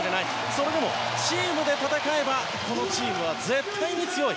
それでもチームで戦えばこのチームは絶対に強い。